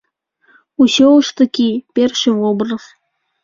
Усё ж такі першы вобраз.